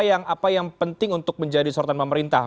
apa yang penting untuk menjadi sorotan pemerintah